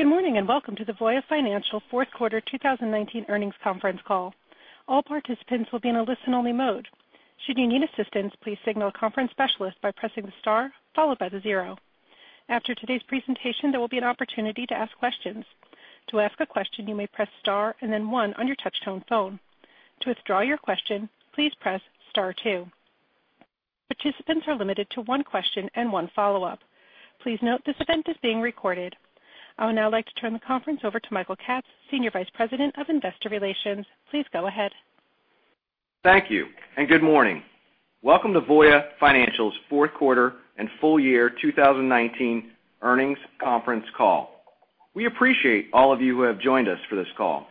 Good morning, welcome to the Voya Financial fourth quarter 2019 earnings conference call. All participants will be in a listen-only mode. Should you need assistance, please signal a conference specialist by pressing the star followed by the zero. After today's presentation, there will be an opportunity to ask questions. To ask a question, you may press star and then one on your touchtone phone. To withdraw your question, please press star two. Participants are limited to one question and one follow-up. Please note this event is being recorded. I would now like to turn the conference over to Michael Katz, Senior Vice President of Investor Relations. Please go ahead. Thank you, good morning. Welcome to Voya Financial's fourth quarter and full year 2019 earnings conference call. We appreciate all of you who have joined us for this call.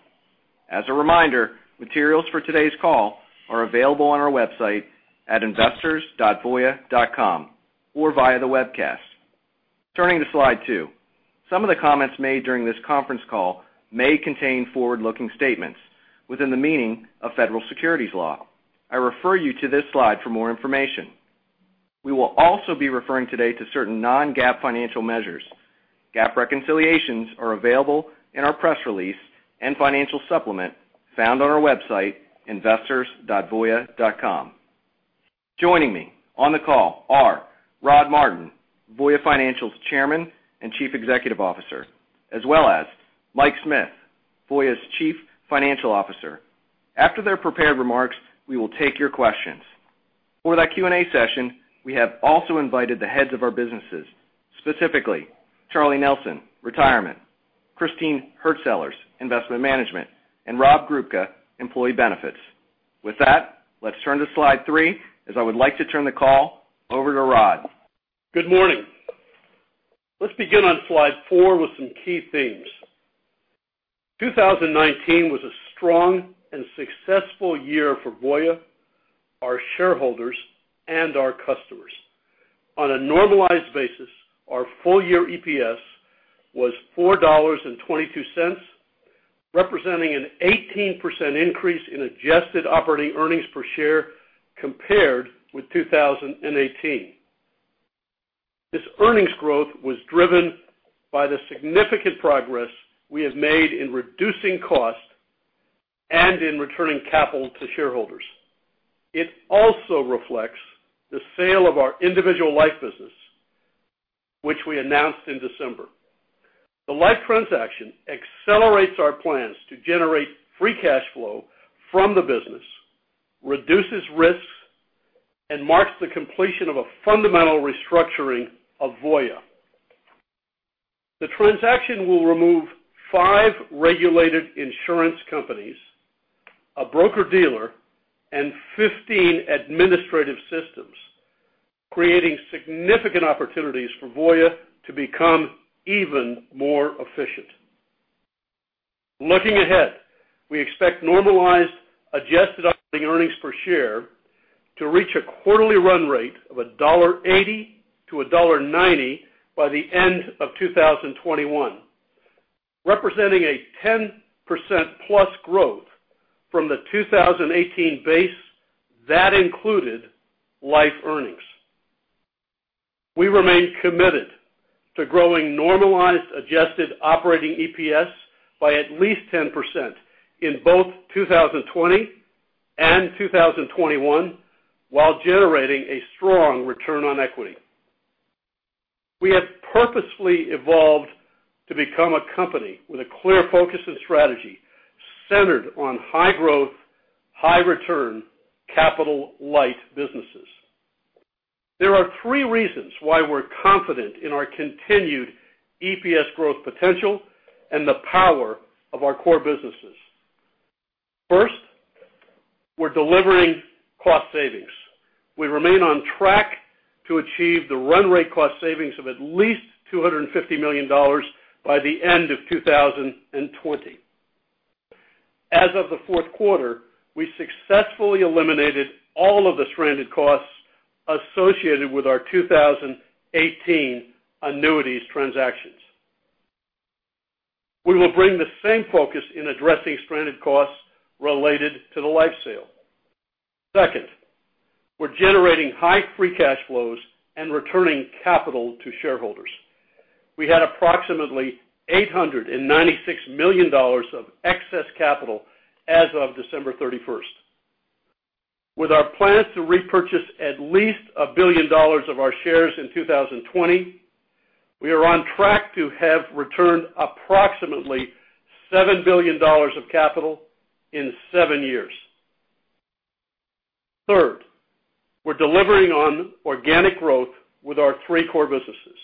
As a reminder, materials for today's call are available on our website at investors.voya.com or via the webcast. Turning to slide two, some of the comments made during this conference call may contain forward-looking statements within the meaning of federal securities law. I refer you to this slide for more information. We will also be referring today to certain non-GAAP financial measures. GAAP reconciliations are available in our press release and financial supplement found on our website, investors.voya.com. Joining me on the call are Rod Martin, Voya Financial's Chairman and Chief Executive Officer, as well as Mike Smith, Voya's Chief Financial Officer. After their prepared remarks, we will take your questions. For that Q&A session, we have also invited the heads of our businesses, specifically Charles Nelson, Retirement, Christine Hurtsellers, Investment Management, and Rob Grubka, Employee Benefits. With that, let's turn to slide three as I would like to turn the call over to Rod. Good morning. Let's begin on slide four with some key themes. 2019 was a strong and successful year for Voya, our shareholders, and our customers. On a normalized basis, our full year EPS was $4.22, representing an 18% increase in adjusted operating earnings per share compared with 2018. This earnings growth was driven by the significant progress we have made in reducing costs and in returning capital to shareholders. It also reflects the sale of our individual life business, which we announced in December. The life transaction accelerates our plans to generate free cash flow from the business, reduces risks, and marks the completion of a fundamental restructuring of Voya. The transaction will remove five regulated insurance companies, a broker-dealer, and 15 administrative systems, creating significant opportunities for Voya to become even more efficient. Looking ahead, we expect normalized adjusted operating earnings per share to reach a quarterly run rate of $1.80 to $1.90 by the end of 2021, representing a 10%+ growth from the 2018 base that included life earnings. We remain committed to growing normalized adjusted operating EPS by at least 10% in both 2020 and 2021 while generating a strong return on equity. We have purposefully evolved to become a company with a clear focus and strategy centered on high growth, high return, capital light businesses. There are three reasons why we're confident in our continued EPS growth potential and the power of our core businesses. First, we're delivering cost savings. We remain on track to achieve the run rate cost savings of at least $250 million by the end of 2020. As of the fourth quarter, we successfully eliminated all of the stranded costs associated with our 2018 annuities transactions. We will bring the same focus in addressing stranded costs related to the life sale. Second, we're generating high free cash flows and returning capital to shareholders. We had approximately $896 million of excess capital as of December 31st. With our plans to repurchase at least $1 billion of our shares in 2020, we are on track to have returned approximately $7 billion of capital in seven years. Third, we're delivering on organic growth with our three core businesses.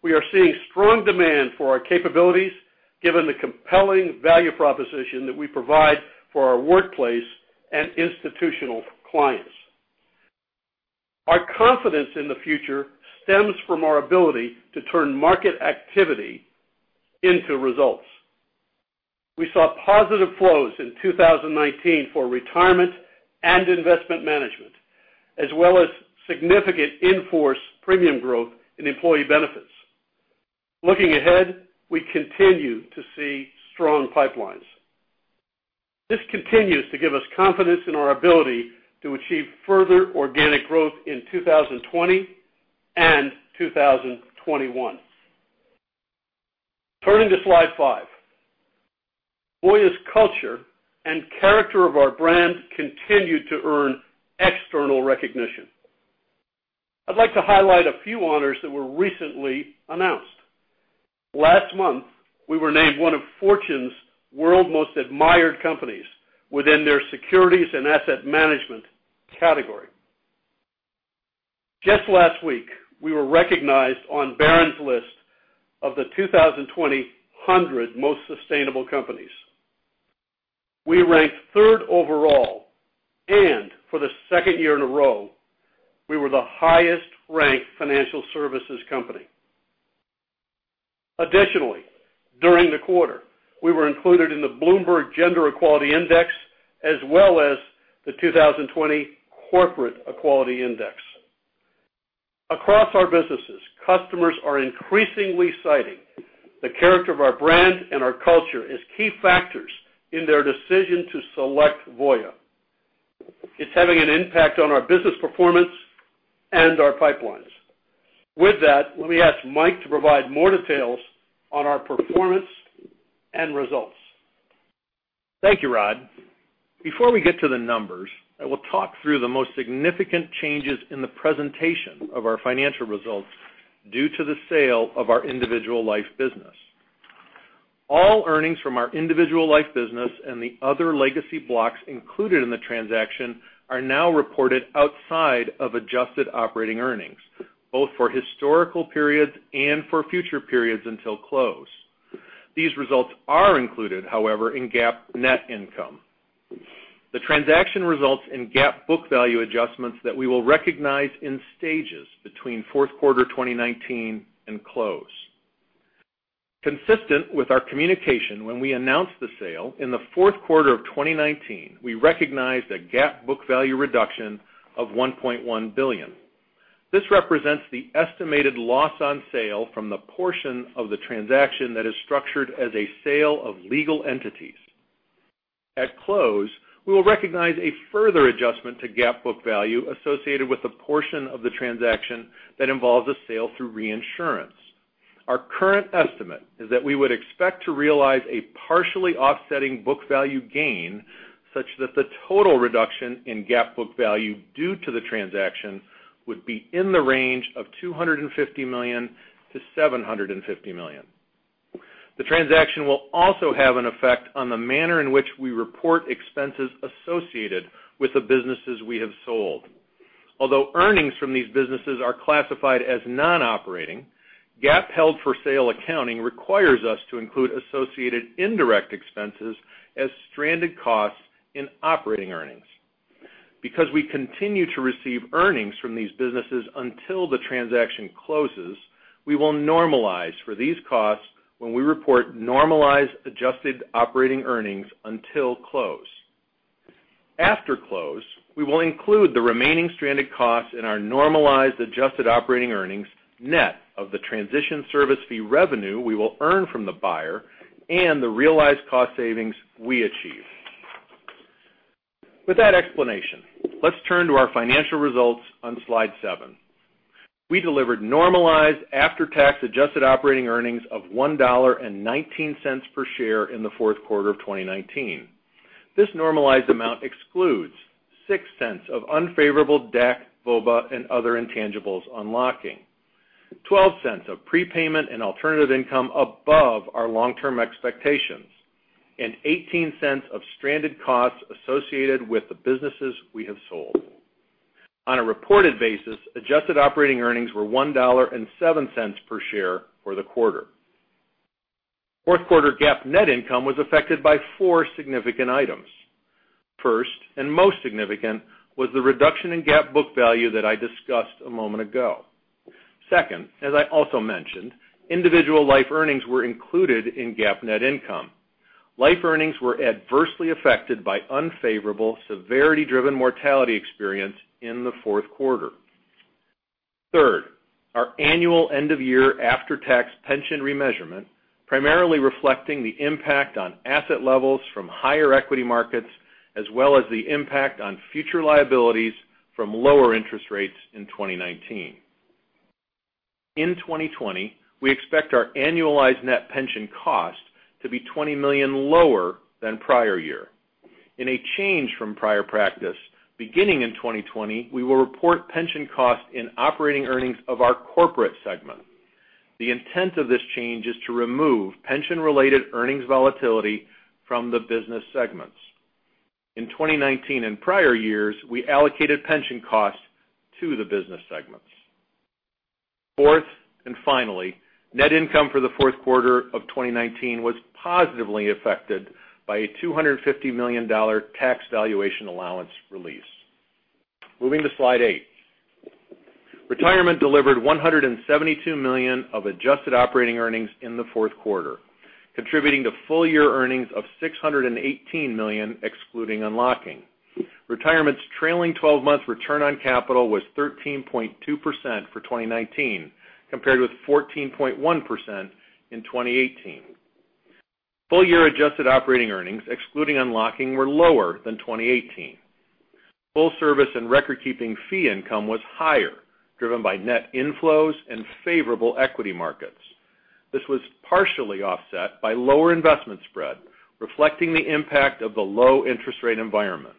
We are seeing strong demand for our capabilities given the compelling value proposition that we provide for our workplace and institutional clients. Our confidence in the future stems from our ability to turn market activity into results. We saw positive flows in 2019 for Retirement and Investment Management, as well as significant in-force premium growth in Employee Benefits. Looking ahead, we continue to see strong pipelines. This continues to give us confidence in our ability to achieve further organic growth in 2020 and 2021. Turning to slide five. Voya's culture and character of our brand continue to earn external recognition. I'd like to highlight a few honors that were recently announced. Last month, we were named one of Fortune's World's Most Admired Companies within their securities and asset management category. Just last week, we were recognized on Barron's list of the 2020 100 Most Sustainable Companies. We ranked third overall, and for the second year in a row, we were the highest-ranked financial services company. Additionally, during the quarter, we were included in the Bloomberg Gender-Equality Index as well as the 2020 Corporate Equality Index. Across our businesses, customers are increasingly citing the character of our brand and our culture as key factors in their decision to select Voya. It's having an impact on our business performance and our pipelines. With that, let me ask Mike to provide more details on our performance and results. Thank you, Rod. Before we get to the numbers, I will talk through the most significant changes in the presentation of our financial results due to the sale of our individual life business. All earnings from our individual life business and the other legacy blocks included in the transaction are now reported outside of adjusted operating earnings, both for historical periods and for future periods until close. These results are included, however, in GAAP net income. The transaction results in GAAP book value adjustments that we will recognize in stages between fourth quarter 2019 and close. Consistent with our communication when we announced the sale, in the fourth quarter of 2019, we recognized a GAAP book value reduction of $1.1 billion. This represents the estimated loss on sale from the portion of the transaction that is structured as a sale of legal entities. At close, we will recognize a further adjustment to GAAP book value associated with the portion of the transaction that involves a sale through reinsurance. Our current estimate is that we would expect to realize a partially offsetting book value gain, such that the total reduction in GAAP book value due to the transaction would be in the range of $250 million-$750 million. The transaction will also have an effect on the manner in which we report expenses associated with the businesses we have sold. Although earnings from these businesses are classified as non-operating, GAAP held for sale accounting requires us to include associated indirect expenses as stranded costs in operating earnings. Because we continue to receive earnings from these businesses until the transaction closes, we will normalize for these costs when we report normalized adjusted operating earnings until close. After close, we will include the remaining stranded costs in our normalized adjusted operating earnings net of the transition service fee revenue we will earn from the buyer and the realized cost savings we achieve. With that explanation, let's turn to our financial results on slide seven. We delivered normalized after-tax adjusted operating earnings of $1.19 per share in the fourth quarter of 2019. This normalized amount excludes $0.06 of unfavorable DAC, VOBA, and other intangibles unlocking, $0.12 of prepayment and alternative income above our long-term expectations, and $0.18 of stranded costs associated with the businesses we have sold. On a reported basis, adjusted operating earnings were $1.07 per share for the quarter. Fourth quarter GAAP net income was affected by four significant items. First, and most significant, was the reduction in GAAP book value that I discussed a moment ago. Second, as I also mentioned, individual life earnings were included in GAAP net income. Life earnings were adversely affected by unfavorable severity-driven mortality experience in the fourth quarter. Third, our annual end-of-year after-tax pension remeasurement, primarily reflecting the impact on asset levels from higher equity markets as well as the impact on future liabilities from lower interest rates in 2019. In 2020, we expect our annualized net pension cost to be $20 million lower than prior year. In a change from prior practice, beginning in 2020, we will report pension costs in operating earnings of our corporate segment. The intent of this change is to remove pension-related earnings volatility from the business segments. In 2019 and prior years, we allocated pension costs to the business segments. Fourth, finally, net income for the fourth quarter of 2019 was positively affected by a $250 million tax valuation allowance release. Moving to slide eight. Retirement delivered $172 million of adjusted operating earnings in the fourth quarter, contributing to full-year earnings of $618 million, excluding unlocking. Retirement's trailing 12-month return on capital was 13.2% for 2019, compared with 14.1% in 2018. Full year adjusted operating earnings, excluding unlocking, were lower than 2018. Full service and record keeping fee income was higher, driven by net inflows and favorable equity markets. This was partially offset by lower investment spread, reflecting the impact of the low interest rate environment.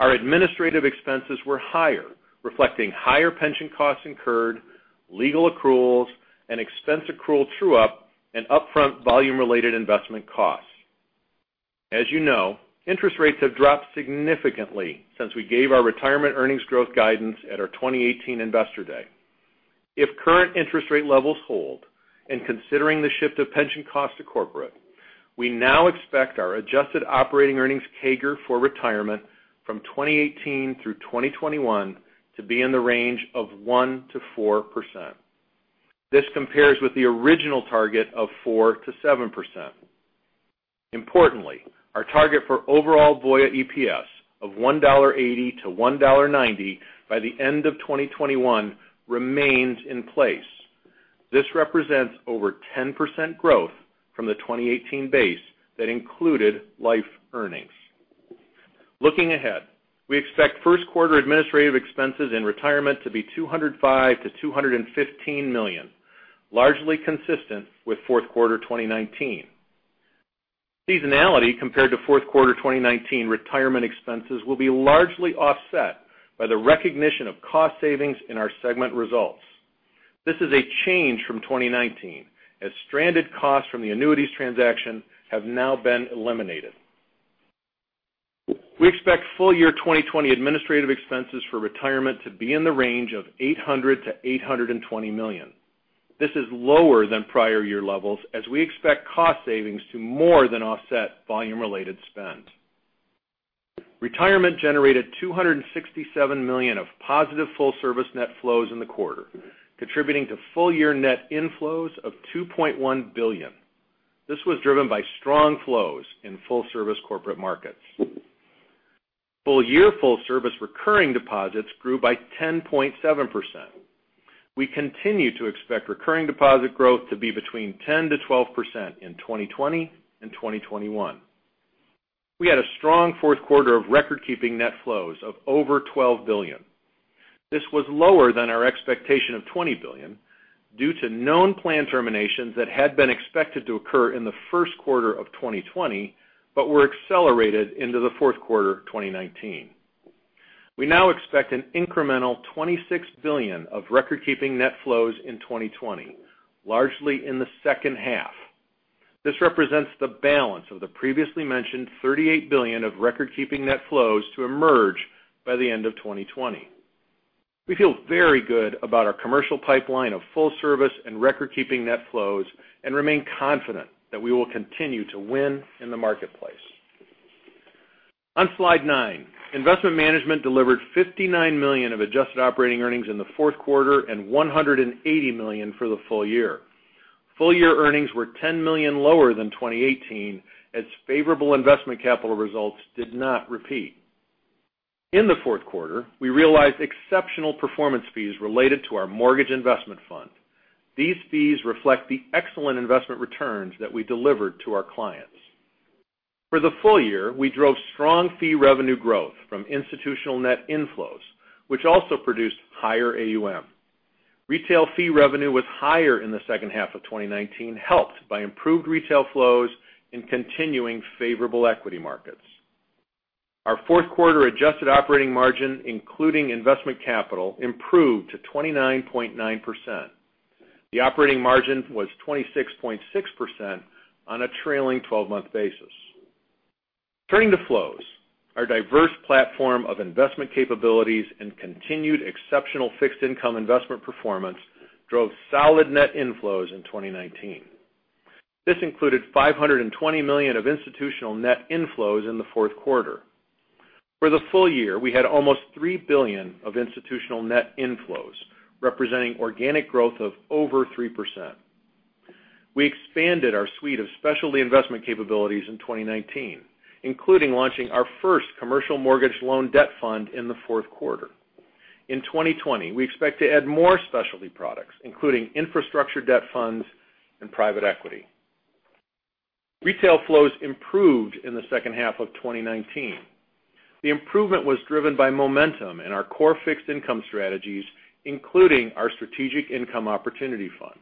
Our administrative expenses were higher, reflecting higher pension costs incurred, legal accruals and expense accrual true-up, and upfront volume-related investment costs. As you know, interest rates have dropped significantly since we gave our Retirement earnings growth guidance at our 2018 Investor Day. If current interest rate levels hold, and considering the shift of pension costs to Corporate, we now expect our adjusted operating earnings CAGR for Retirement from 2018 through 2021 to be in the range of 1%-4%. This compares with the original target of 4%-7%. Importantly, our target for overall Voya EPS of $1.80-$1.90 by the end of 2021 remains in place. This represents over 10% growth from the 2018 base that included Life earnings. Looking ahead, we expect first quarter administrative expenses in Retirement to be $205 million-$215 million, largely consistent with fourth quarter 2019. Seasonality compared to fourth quarter 2019 Retirement expenses will be largely offset by the recognition of cost savings in our segment results. This is a change from 2019, as stranded costs from the annuities transaction have now been eliminated. We expect full year 2020 administrative expenses for Retirement to be in the range of $800 million-$820 million. This is lower than prior year levels, as we expect cost savings to more than offset volume-related spend. Retirement generated $267 million of positive full service net flows in the quarter, contributing to full year net inflows of $2.1 billion. This was driven by strong flows in full service corporate markets. Full year full service recurring deposits grew by 10.7%. We continue to expect recurring deposit growth to be between 10%-12% in 2020 and 2021. We had a strong fourth quarter of record keeping net flows of over $12 billion. This was lower than our expectation of $20 billion due to known plan terminations that had been expected to occur in the first quarter of 2020, but were accelerated into the fourth quarter of 2019. We now expect an incremental $26 billion of record keeping net flows in 2020, largely in the second half. This represents the balance of the previously mentioned $38 billion of record keeping net flows to emerge by the end of 2020. We feel very good about our commercial pipeline of full service and record keeping net flows, and remain confident that we will continue to win in the marketplace. On slide nine, Investment Management delivered $59 million of adjusted operating earnings in the fourth quarter, and $180 million for the full year. Full year earnings were $10 million lower than 2018, as favorable investment capital results did not repeat. In the fourth quarter, we realized exceptional performance fees related to our mortgage investment fund. These fees reflect the excellent investment returns that we delivered to our clients. For the full year, we drove strong fee revenue growth from institutional net inflows, which also produced higher AUM. Retail fee revenue was higher in the second half of 2019, helped by improved retail flows and continuing favorable equity markets. Our fourth quarter adjusted operating margin, including investment capital, improved to 29.9%. The operating margin was 26.6% on a trailing 12-month basis. Turning to flows, our diverse platform of investment capabilities and continued exceptional fixed income investment performance drove solid net inflows in 2019. This included $520 million of institutional net inflows in the fourth quarter. For the full year, we had almost $3 billion of institutional net inflows, representing organic growth of over 3%. We expanded our suite of specialty investment capabilities in 2019, including launching our first commercial mortgage loan debt fund in the fourth quarter. In 2020, we expect to add more specialty products, including infrastructure debt funds and private equity. Retail flows improved in the second half of 2019. The improvement was driven by momentum in our core fixed income strategies, including our Voya Strategic Income Opportunities Fund.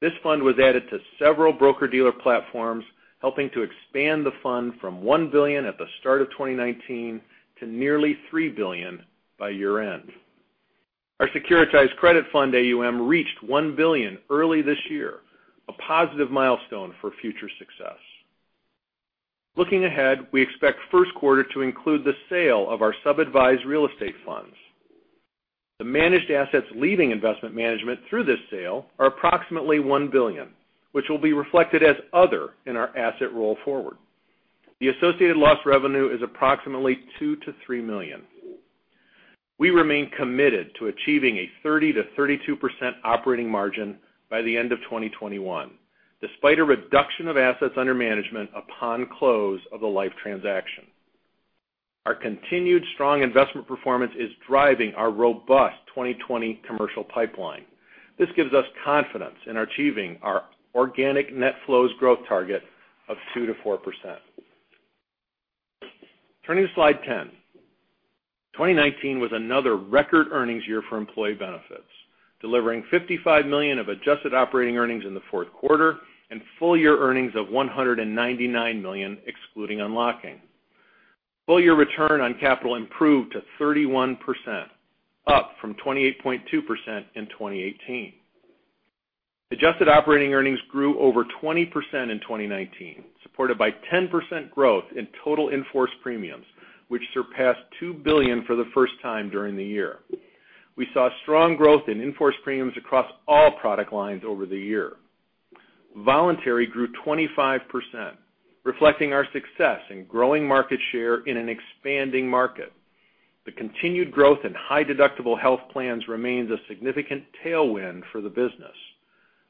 This fund was added to several broker-dealer platforms, helping to expand the fund from $1 billion at the start of 2019 to nearly $3 billion by year-end. Our Voya Securitized Credit Fund AUM reached $1 billion early this year, a positive milestone for future success. Looking ahead, we expect first quarter to include the sale of our sub-advised real estate funds. The managed assets leaving Investment Management through this sale are approximately $1 billion, which will be reflected as other in our asset roll forward. The associated loss revenue is approximately $2 million to $3 million. We remain committed to achieving a 30%-32% operating margin by the end of 2021, despite a reduction of assets under management upon close of the Life transaction. Our continued strong investment performance is driving our robust 2020 commercial pipeline. This gives us confidence in achieving our organic net flows growth target of 2%-4%. Turning to slide 10. 2019 was another record earnings year for Employee Benefits, delivering $55 million of adjusted operating earnings in the fourth quarter and full year earnings of $199 million, excluding unlocking. Full year return on capital improved to 31%, up from 28.2% in 2018. Adjusted operating earnings grew over 20% in 2019, supported by 10% growth in total in-force premiums, which surpassed $2 billion for the first time during the year. We saw strong growth in in-force premiums across all product lines over the year. Voluntary grew 25%, reflecting our success in growing market share in an expanding market. The continued growth in high-deductible health plans remains a significant tailwind for the business.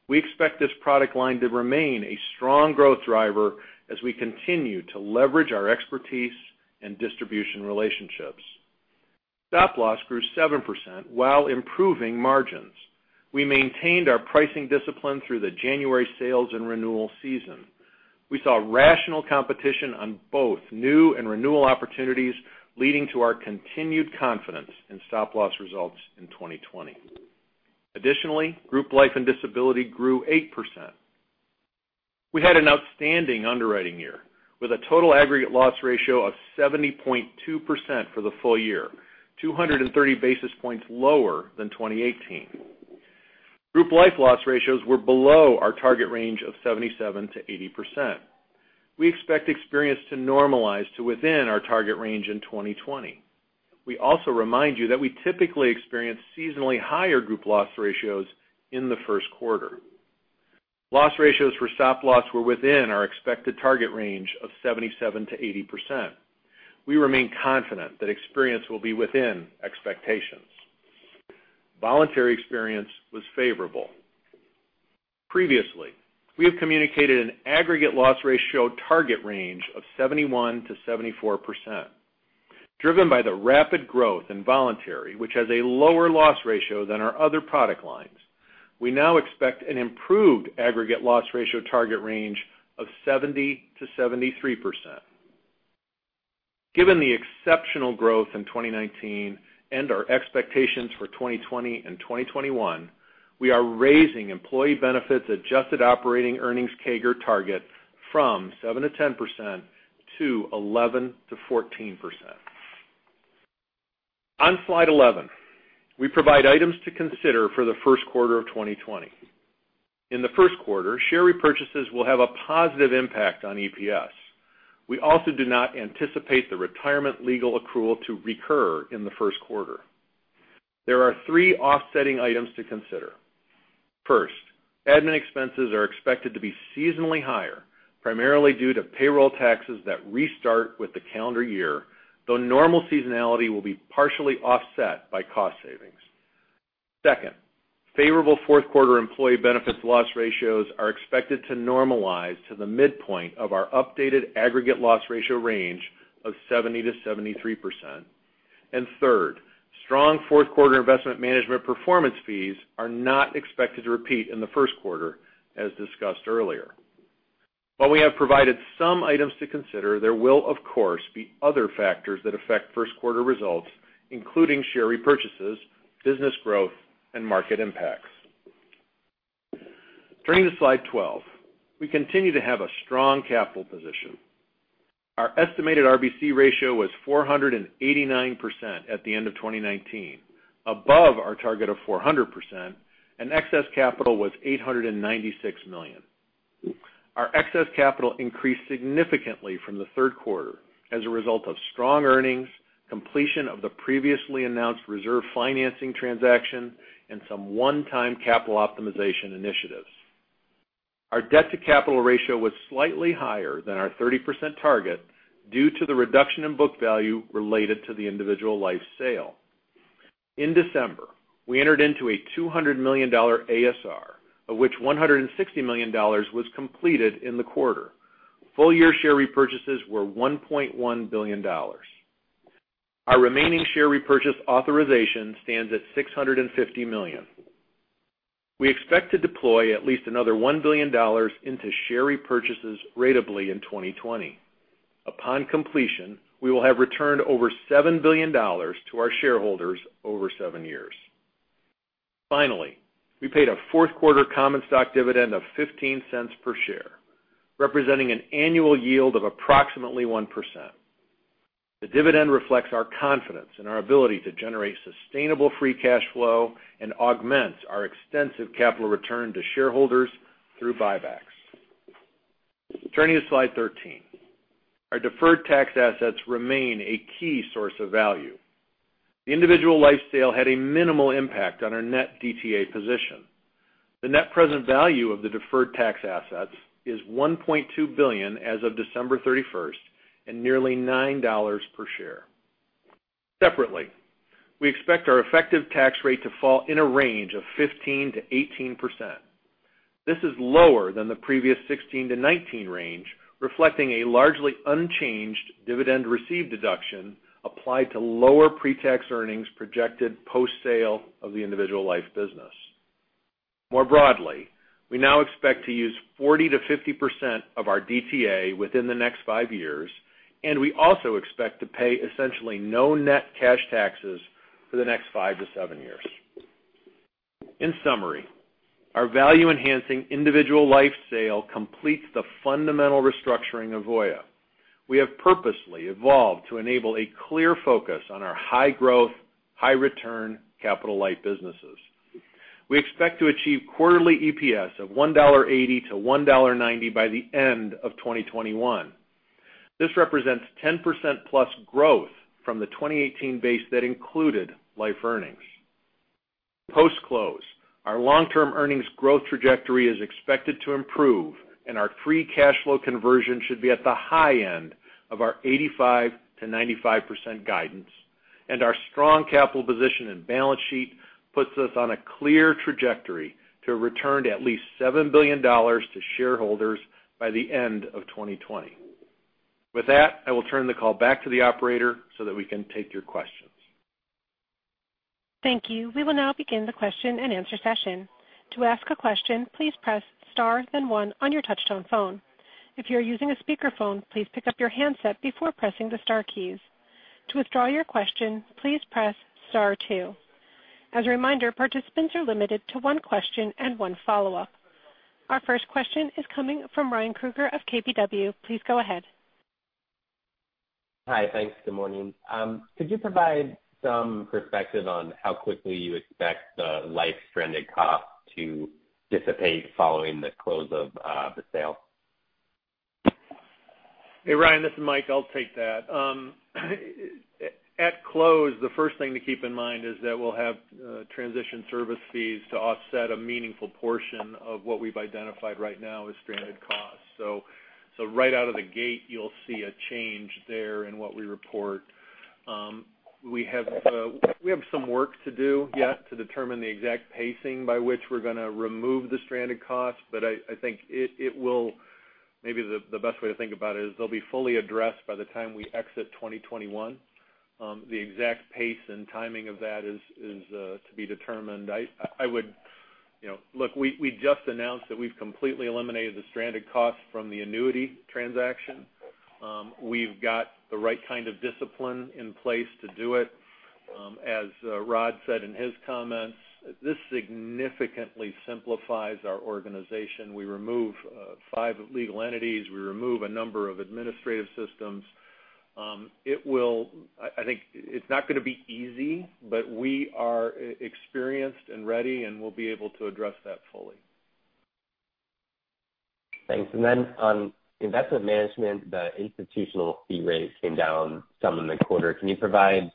We expect this product line to remain a strong growth driver as we continue to leverage our expertise and distribution relationships. Stop Loss grew 7% while improving margins. We maintained our pricing discipline through the January sales and renewal season. We saw rational competition on both new and renewal opportunities, leading to our continued confidence in Stop Loss results in 2020. Additionally, group life and disability grew 8%. We had an outstanding underwriting year with a total aggregate loss ratio of 70.2% for the full year, 230 basis points lower than 2018. Group life loss ratios were below our target range of 77%-80%. We expect experience to normalize to within our target range in 2020. We also remind you that we typically experience seasonally higher group loss ratios in the first quarter. Loss ratios for Stop Loss were within our expected target range of 77%-80%. We remain confident that experience will be within expectations. Voluntary experience was favorable. Previously, we have communicated an aggregate loss ratio target range of 71%-74%, driven by the rapid growth in voluntary, which has a lower loss ratio than our other product lines. We now expect an improved aggregate loss ratio target range of 70%-73%. Given the exceptional growth in 2019 and our expectations for 2020 and 2021, we are raising Employee Benefits adjusted operating earnings CAGR target from 7%-10%, to 11%-14%. On slide 11, we provide items to consider for the first quarter of 2020. In the first quarter, share repurchases will have a positive impact on EPS. We also do not anticipate the Retirement legal accrual to recur in the first quarter. There are three offsetting items to consider. First, admin expenses are expected to be seasonally higher, primarily due to payroll taxes that restart with the calendar year, though normal seasonality will be partially offset by cost savings. Second, favorable fourth quarter Employee Benefits loss ratios are expected to normalize to the midpoint of our updated aggregate loss ratio range of 70%-73%. Third, strong fourth quarter Investment Management performance fees are not expected to repeat in the first quarter, as discussed earlier. While we have provided some items to consider, there will, of course, be other factors that affect first quarter results, including share repurchases, business growth, and market impacts. Turning to slide 12. We continue to have a strong capital position. Our estimated RBC ratio was 489% at the end of 2019, above our target of 400%, and excess capital was $896 million. Our excess capital increased significantly from the third quarter as a result of strong earnings, completion of the previously announced reserve financing transaction, and some one-time capital optimization initiatives. Our debt to capital ratio was slightly higher than our 30% target due to the reduction in book value related to the individual life sale. In December, we entered into a $200 million ASR, of which $160 million was completed in the quarter. Full year share repurchases were $1.1 billion. Our remaining share repurchase authorization stands at $650 million. We expect to deploy at least another $1 billion into share repurchases ratably in 2020. Upon completion, we will have returned over $7 billion to our shareholders over seven years. Finally, we paid a fourth quarter common stock dividend of $0.15 per share, representing an annual yield of approximately 1%. The dividend reflects our confidence in our ability to generate sustainable free cash flow and augments our extensive capital return to shareholders through buybacks. Turning to slide 13. Our deferred tax assets remain a key source of value. The individual life sale had a minimal impact on our net DTA position. The net present value of the deferred tax assets is $1.2 billion as of December 31st and nearly $9 per share. Separately, we expect our effective tax rate to fall in a range of 15%-18%. This is lower than the previous 16%-19% range, reflecting a largely unchanged dividend received deduction applied to lower pre-tax earnings projected post-sale of the individual life business. More broadly, we now expect to use 40%-50% of our DTA within the next five years. We also expect to pay essentially no net cash taxes for the next five to seven years. In summary, our value-enhancing individual life sale completes the fundamental restructuring of Voya. We have purposely evolved to enable a clear focus on our high growth, high return capital light businesses. We expect to achieve quarterly EPS of $1.80-$1.90 by the end of 2021. This represents 10%+ growth from the 2018 base that included life earnings. Post-close, our long-term earnings growth trajectory is expected to improve, our free cash flow conversion should be at the high end of our 85%-95% guidance. Our strong capital position and balance sheet puts us on a clear trajectory to return at least $7 billion to shareholders by the end of 2020. With that, I will turn the call back to the operator so that we can take your questions. Thank you. We will now begin the question and answer session. To ask a question, please press star then one on your touch-tone phone. If you're using a speakerphone, please pick up your handset before pressing the star keys. To withdraw your question, please press star two. As a reminder, participants are limited to one question and one follow-up. Our first question is coming from Ryan Krueger of KBW. Please go ahead. Hi. Thanks. Good morning. Could you provide some perspective on how quickly you expect the life stranded cost to dissipate following the close of the sale? Hey, Ryan, this is Mike. I'll take that. At close, the first thing to keep in mind is that we'll have transition service fees to offset a meaningful portion of what we've identified right now as stranded costs. Right out of the gate, you'll see a change there in what we report. We have some work to do yet to determine the exact pacing by which we're going to remove the stranded costs, but I think maybe the best way to think about it is they'll be fully addressed by the time we exit 2021. The exact pace and timing of that is to be determined. Look, we just announced that we've completely eliminated the stranded costs from the annuity transaction. We've got the right kind of discipline in place to do it. As Rod said in his comments, this significantly simplifies our organization. We remove five legal entities. We remove a number of administrative systems. I think it's not going to be easy, but we are experienced and ready, and we'll be able to address that fully. Thanks. On Investment Management, the institutional fee rate came down some in the quarter. Can you provide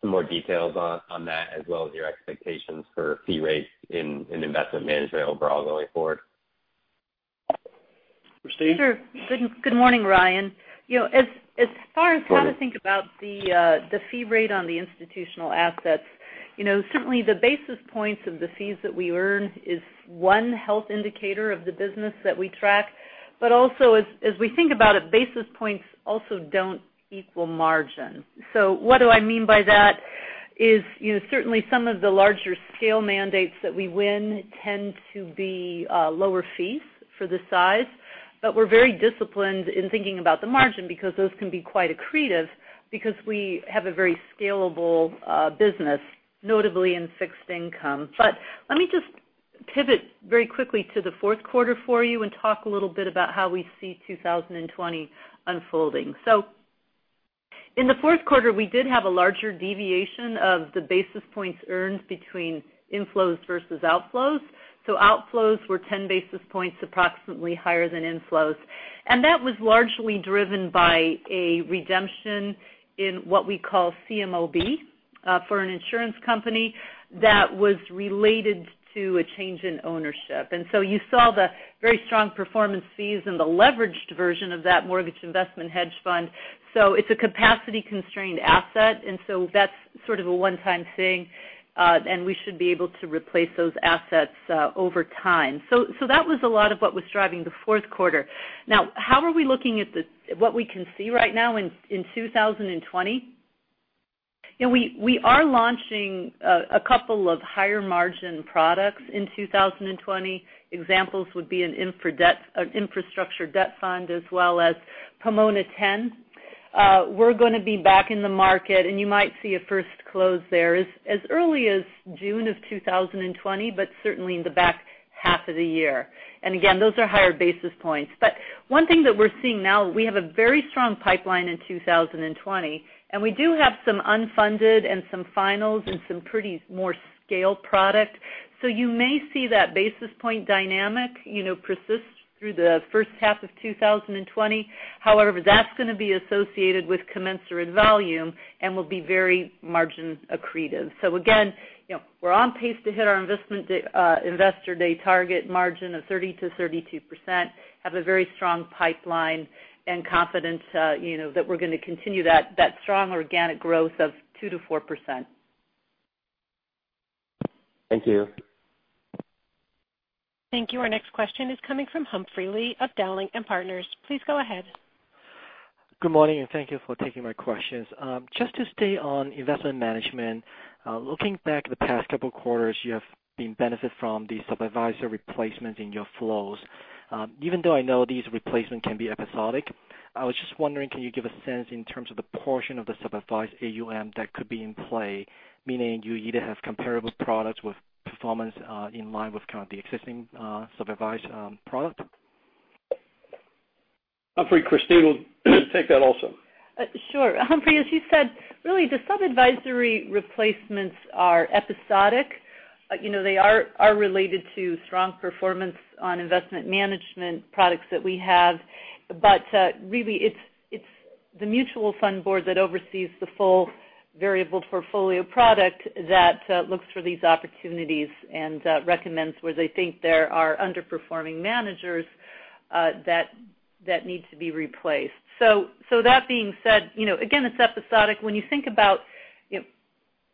some more details on that as well as your expectations for fee rates in investment management overall going forward? Christine? Sure. Good morning, Ryan. As far as how to think about the fee rate on the institutional assets, certainly the basis points of the fees that we earn is one health indicator of the business that we track, but also as we think about it, basis points also don't equal margin. What do I mean by that is certainly some of the larger scale mandates that we win tend to be lower fees for the size, but we're very disciplined in thinking about the margin because those can be quite accretive because we have a very scalable business, notably in fixed income. Let me just pivot very quickly to the fourth quarter for you and talk a little bit about how we see 2020 unfolding. In the fourth quarter, we did have a larger deviation of the basis points earned between inflows versus outflows. Outflows were 10 basis points approximately higher than inflows. That was largely driven by a redemption in what we call CMOB for an insurance company that was related to a change in ownership. You saw the very strong performance fees in the leveraged version of that mortgage investment hedge fund. It's a capacity-constrained asset, and so that's sort of a one-time thing, and we should be able to replace those assets over time. That was a lot of what was driving the fourth quarter. Now, how are we looking at what we can see right now in 2020? We are launching a couple of higher margin products in 2020. Examples would be an infrastructure debt fund as well as Pomona Capital X. We're going to be back in the market, you might see a first close there as early as June of 2020, but certainly in the back half of the year. Again, those are higher basis points. One thing that we're seeing now, we have a very strong pipeline in 2020, and we do have some unfunded and some finals and some pretty more scaled product. You may see that basis point dynamic persist through the first half of 2020. However, that's going to be associated with commensurate volume and will be very margin accretive. Again, we're on pace to hit our investor day target margin of 30%-32%, have a very strong pipeline and confidence that we're going to continue that strong organic growth of 2%-4%. Thank you. Thank you. Our next question is coming from Humphrey Lee of Dowling & Partners. Please go ahead. Good morning, and thank you for taking my questions. Just to stay on Investment Management, looking back at the past couple quarters, you have been benefit from the sub-advisory replacements in your flows. Even though I know these replacement can be episodic, I was just wondering, can you give a sense in terms of the portion of the sub-advise AUM that could be in play, meaning you either have comparable products with performance in line with kind of the existing sub-advise product? Humphrey, Christine will take that also. Sure. Humphrey, as you said, really, the sub-advisory replacements are episodic. They are related to strong performance on Investment Management products that we have. Really, it's the mutual fund board that oversees the full variable portfolio product that looks for these opportunities and recommends where they think there are underperforming managers that need to be replaced. That being said, again, it's episodic. When you think about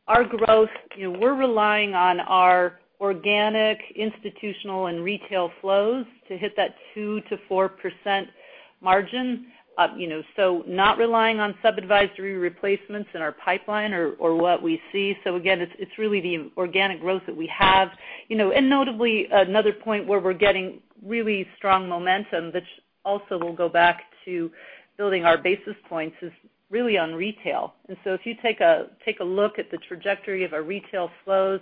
our growth, we're relying on our organic, institutional and retail flows to hit that 2%-4% margin. Not relying on sub-advisory replacements in our pipeline or what we see. Again, it's really the organic growth that we have. Notably, another point where we're getting really strong momentum, which also will go back to building our basis points, is really on retail. If you take a look at the trajectory of our retail flows,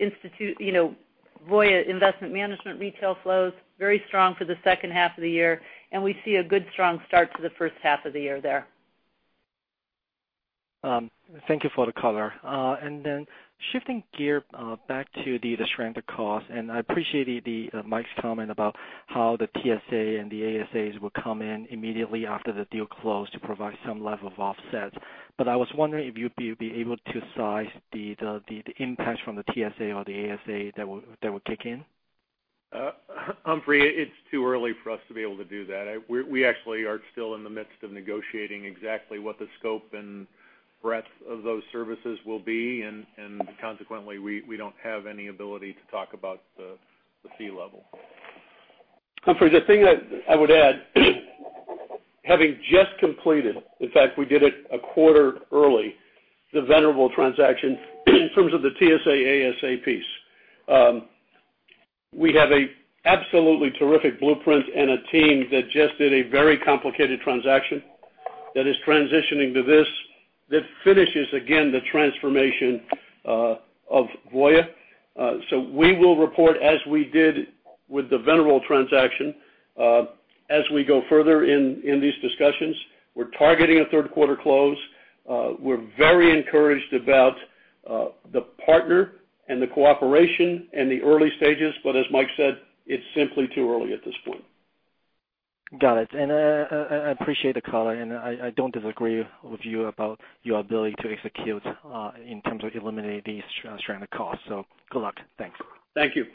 Voya Investment Management retail flows, very strong for the second half of the year, and we see a good strong start to the first half of the year there. Thank you for the color. Shifting gear back to the stranded cost, I appreciated Mike's comment about how the TSA and the ASAs will come in immediately after the deal close to provide some level of offsets. I was wondering if you'd be able to size the impact from the TSA or the ASA that will kick in. Humphrey, it's too early for us to be able to do that. We actually are still in the midst of negotiating exactly what the scope and breadth of those services will be, and consequently, we don't have any ability to talk about the fee level. Humphrey, the thing that I would add, having just completed, in fact, we did it a quarter early, the Venerable transaction in terms of the TSA, ASA piece. We have a absolutely terrific blueprint and a team that just did a very complicated transaction that is transitioning to this, that finishes, again, the transformation of Voya. We will report as we did with the Venerable transaction as we go further in these discussions. We're targeting a third quarter close. We're very encouraged about the partner and the cooperation and the early stages, as Mike said, it's simply too early at this point. Got it. I appreciate the color, and I don't disagree with you about your ability to execute in terms of eliminating these stranded costs. Good luck. Thanks. Thank you.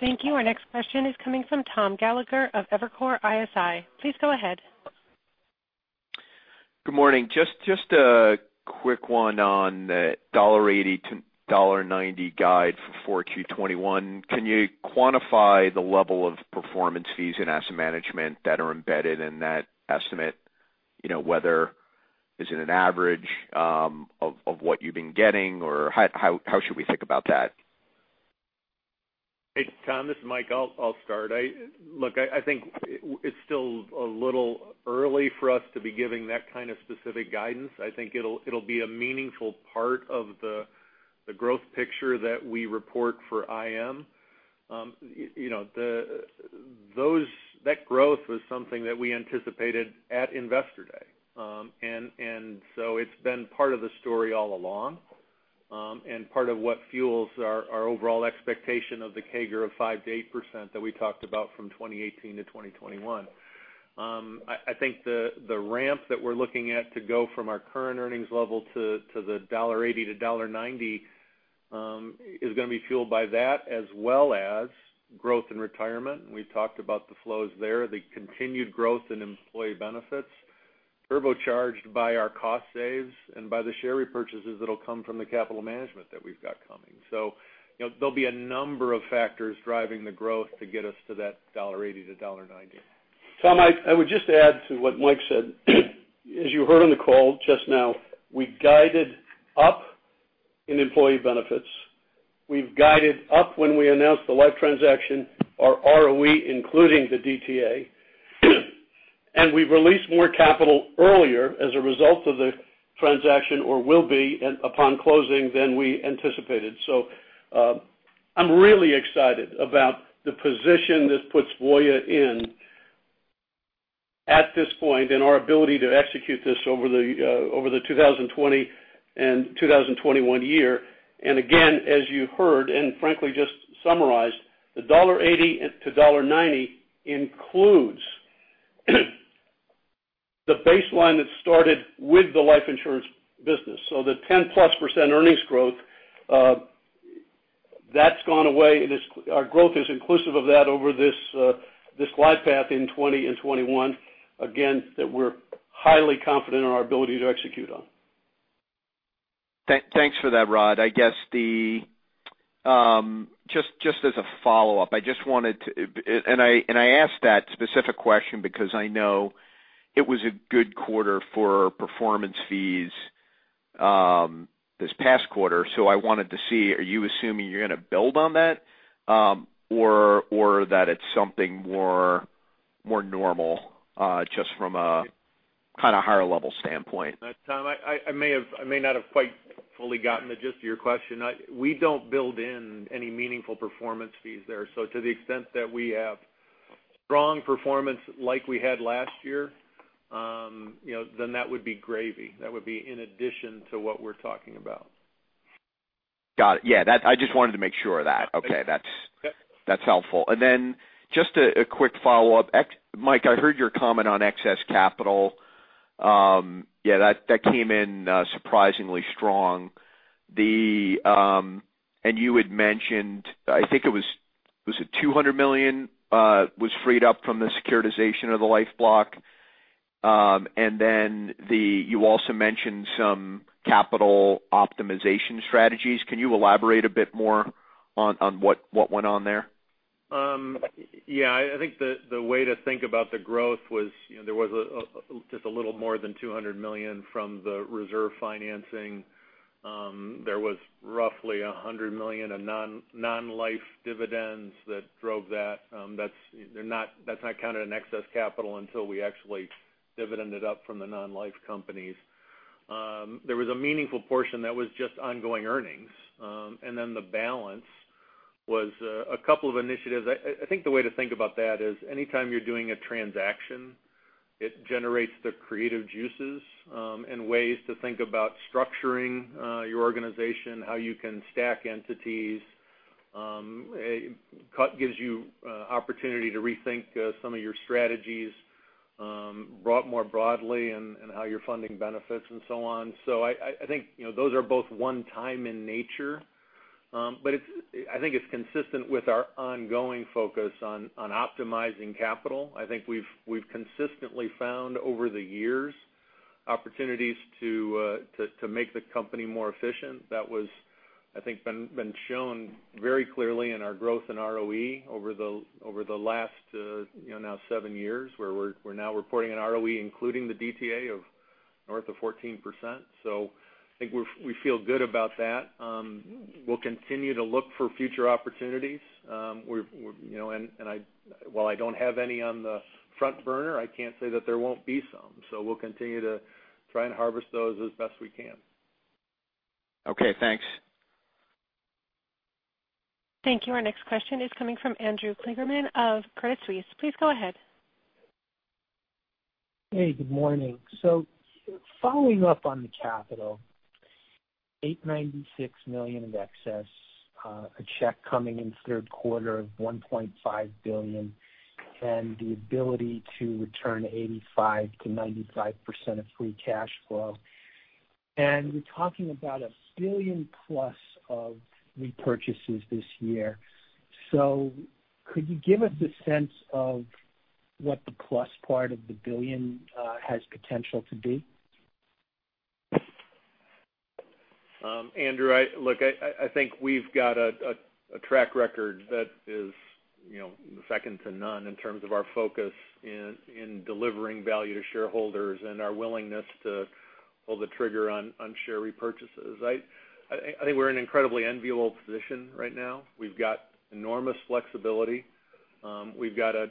Thank you. Our next question is coming from Thomas Gallagher of Evercore ISI. Please go ahead. Good morning. Just a quick one on the $1.80 to $1.90 guide for Q4 2021. Can you quantify the level of performance fees in asset management that are embedded in that estimate? Whether is it an average of what you've been getting, or how should we think about that? Hey, Tom, this is Mike. I'll start. Look, I think it's still a little early for us to be giving that kind of specific guidance. I think it'll be a meaningful part of the growth picture that we report for IM. That growth was something that we anticipated at Investor Day. It's been part of the story all along, and part of what fuels our overall expectation of the CAGR of 5%-8% that we talked about from 2018 to 2021. I think the ramp that we're looking at to go from our current earnings level to the $1.80 to $1.90 is going to be fueled by that, as well as growth in Retirement. We've talked about the flows there, the continued growth in Employee Benefits, turbocharged by our cost saves and by the share repurchases that'll come from the capital management that we've got coming. There'll be a number of factors driving the growth to get us to that $1.80 to $1.90. Tom, I would just add to what Mike said. As you heard on the call just now, we guided up in Employee Benefits. We've guided up when we announced the life transaction, our ROE, including the DTA, and we've released more capital earlier as a result of the transaction or will be upon closing than we anticipated. I'm really excited about the position this puts Voya in at this point and our ability to execute this over the 2020 and 2021 year. Again, as you heard and frankly just summarized, the $1.80 to $1.90 includes the baseline that started with the life insurance business. The 10-plus % earnings growth. That's gone away. Our growth is inclusive of that over this slide path in 2020 and 2021, again, that we're highly confident in our ability to execute on. Thanks for that, Rod. Just as a follow-up, I asked that specific question because I know it was a good quarter for performance fees this past quarter. I wanted to see, are you assuming you're going to build on that? Or that it's something more normal, just from a kind of higher level standpoint? Tom, I may not have quite fully gotten the gist of your question. We don't build in any meaningful performance fees there. To the extent that we have strong performance like we had last year, that would be gravy. That would be in addition to what we're talking about. Got it. Yeah. I just wanted to make sure of that. Okay. Yep. That's helpful. Then just a quick follow-up. Mike, I heard your comment on excess capital. That came in surprisingly strong. You had mentioned, I think it was it $200 million, was freed up from the securitization of the life block? You also mentioned some capital optimization strategies. Can you elaborate a bit more on what went on there? I think the way to think about the growth was there was just a little more than $200 million from the reserve financing. There was roughly $100 million of non-life dividends that drove that. That's not counted in excess capital until we actually dividend it up from the non-life companies. There was a meaningful portion that was just ongoing earnings. Then the balance was a couple of initiatives. I think the way to think about that is anytime you're doing a transaction, it generates the creative juices and ways to think about structuring your organization, how you can stack entities. It gives you opportunity to rethink some of your strategies brought more broadly and how you're funding benefits and so on. I think those are both one time in nature. I think it's consistent with our ongoing focus on optimizing capital. I think we've consistently found over the years, opportunities to make the company more efficient. That was, I think, been shown very clearly in our growth in ROE over the last now seven years, where we're now reporting an ROE, including the DTA of north of 14%. I think we feel good about that. We'll continue to look for future opportunities. While I don't have any on the front burner, I can't say that there won't be some. We'll continue to try and harvest those as best we can. Okay, thanks. Thank you. Our next question is coming from Andrew Kligerman of Credit Suisse. Please go ahead. Hey, good morning. Following up on the capital, $896 million of excess, a check coming in third quarter of $1.5 billion, and the ability to return 85%-95% of free cash flow. We're talking about a billion plus of repurchases this year. Could you give us a sense of what the plus part of the billion has potential to be? Andrew, look, I think we've got a track record that is second to none in terms of our focus in delivering value to shareholders and our willingness to pull the trigger on share repurchases. I think we're in an incredibly enviable position right now. We've got enormous flexibility. We've got a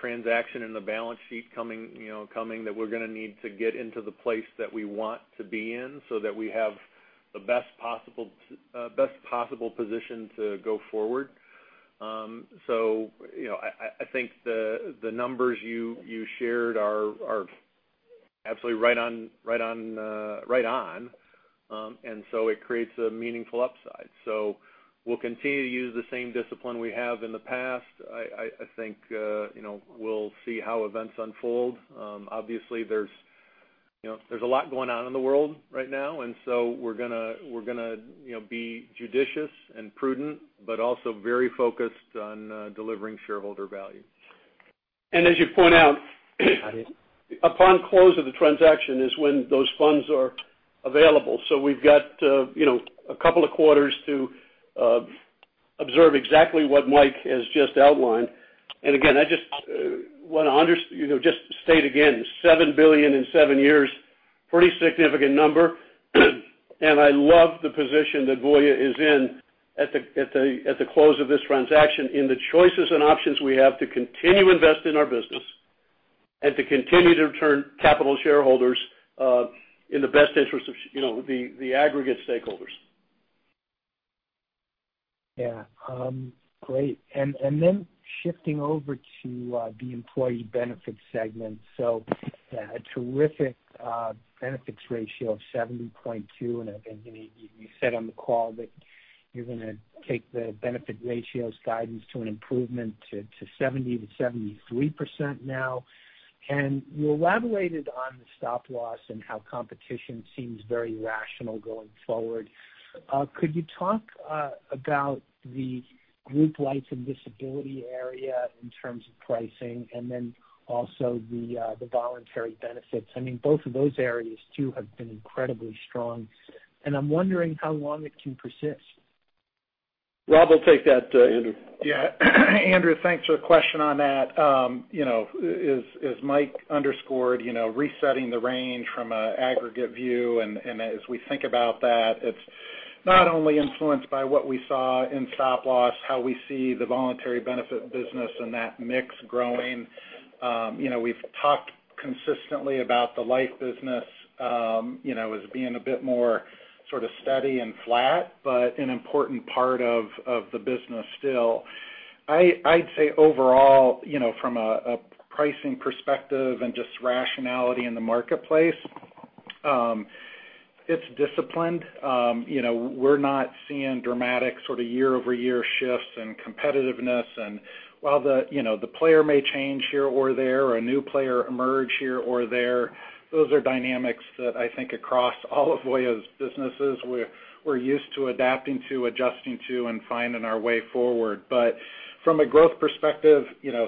transaction in the balance sheet coming that we're going to need to get into the place that we want to be in so that we have the best possible position to go forward. I think the numbers you shared are absolutely right on. It creates a meaningful upside. We'll continue to use the same discipline we have in the past. I think we'll see how events unfold. Obviously, there's a lot going on in the world right now, and so we're going to be judicious and prudent, but also very focused on delivering shareholder value. As you point out- Got it Upon close of the transaction is when those funds are available. We've got a couple of quarters to observe exactly what Mike has just outlined. Again, I just want to state again, $7 billion in seven years, pretty significant number. I love the position that Voya is in at the close of this transaction in the choices and options we have to continue to invest in our business and to continue to return capital to shareholders in the best interest of the aggregate stakeholders. Yeah. Great. Shifting over to the Employee Benefits segment. A terrific benefits ratio of 70.2 and I think you said on the call that you're going to take the benefit ratios guidance to an improvement to 70%-73% now. You elaborated on the Stop Loss and how competition seems very rational going forward. Could you talk about the group life and disability area in terms of pricing and then also the voluntary benefits? Both of those areas too have been incredibly strong, and I'm wondering how long it can persist. Rob will take that, Andrew. Yeah. Andrew, thanks for the question on that. As Mike underscored, resetting the range from an aggregate view, as we think about that, it's not only influenced by what we saw in Stop Loss, how we see the voluntary benefit business and that mix growing. We've talked consistently about the life business as being a bit more steady and flat, but an important part of the business still. I'd say overall, from a pricing perspective and just rationality in the marketplace, it's disciplined. We're not seeing dramatic year-over-year shifts in competitiveness. While the player may change here or there or a new player emerge here or there, those are dynamics that I think across all of Voya's businesses, we're used to adapting to, adjusting to, and finding our way forward. From a growth perspective,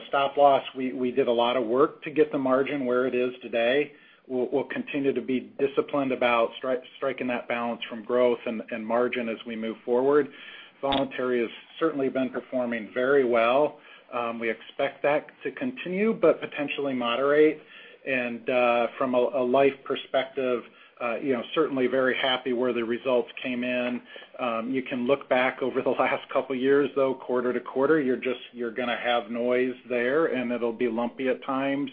Stop Loss, we did a lot of work to get the margin where it is today. We'll continue to be disciplined about striking that balance from growth and margin as we move forward. Voluntary has certainly been performing very well. We expect that to continue but potentially moderate. From a life perspective, certainly very happy where the results came in. You can look back over the last couple of years, though, quarter-to-quarter, you're going to have noise there, and it'll be lumpy at times.